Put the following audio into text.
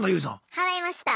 払いました。